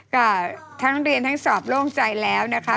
ก็ทั้งเรียนทั้งสอบโล่งใจแล้วนะคะ